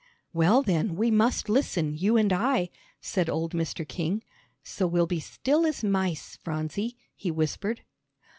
"Well, then we must listen, you and I," said old Mr. King. "So we'll be still as mice, Phronsie," he whispered.